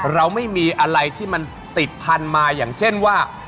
เราไม่มีอะไรที่มันติดพันธุ์มาอย่างเช่นว่า